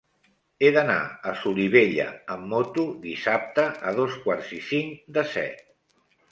He d'anar a Solivella amb moto dissabte a dos quarts i cinc de set.